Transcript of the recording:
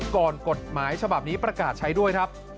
ก่อนกฎหมายฉบับนี้ประกาศใช้ด้วย